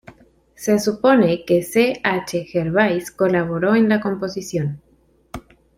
Se supone que C. H. Gervais colaboró en la composición.